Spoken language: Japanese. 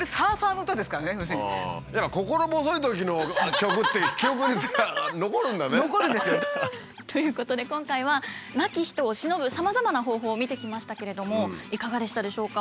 私これちょうどだからローマに立って残るんですよ。ということで今回は亡き人をしのぶさまざまな方法を見てきましたけれどもいかがでしたでしょうか？